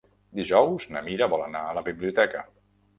Dijous na Mira vol anar a la biblioteca.